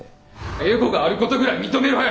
エゴがあることぐらい認めろよ！